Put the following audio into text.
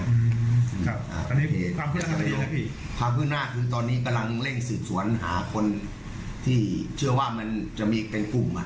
ครับคราวนี้ความพึ่งหน้าความพึ่งหน้าคือตอนนี้กำลังเร่งสืบสวนหาคนที่เชื่อว่ามันจะมีเป็นกลุ่มอ่ะ